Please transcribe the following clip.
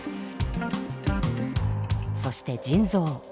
そして腎臓。